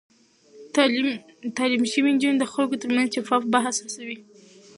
تعليم شوې نجونې د خلکو ترمنځ شفاف بحث هڅوي.